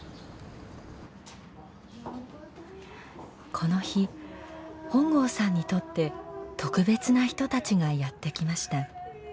この日本郷さんにとって特別な人たちがやって来ました。